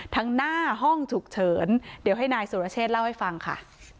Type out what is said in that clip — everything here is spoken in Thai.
หน้าห้องฉุกเฉินเดี๋ยวให้นายสุรเชษฐ์เล่าให้ฟังค่ะ